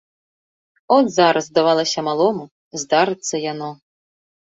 От зараз, здавалася малому, здарыцца яно.